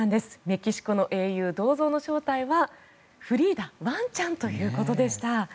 メキシコの英雄、銅像の正体はフリーダワンちゃんということでした。